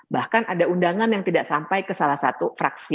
bahkan ada undangan yang tidak sampai ke salah satu fraksi